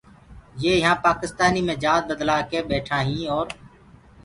يي يهآنٚ پآڪِستآنيٚ مي جآت بدلآ ڪي ٻيٺائينٚ اور